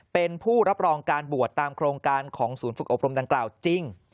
เป็นผู้รับรองการบวชตามโครงการของศูนย์ฝึกอบรมดังกล่าวจริง